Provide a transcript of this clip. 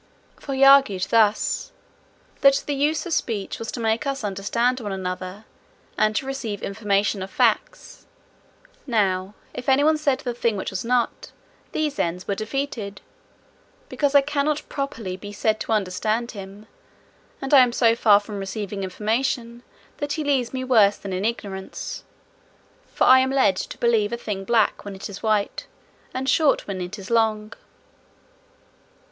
For he argued thus: "that the use of speech was to make us understand one another, and to receive information of facts; now, if any one said the thing which was not, these ends were defeated, because I cannot properly be said to understand him; and I am so far from receiving information, that he leaves me worse than in ignorance; for I am led to believe a thing black, when it is white, and short, when it is long."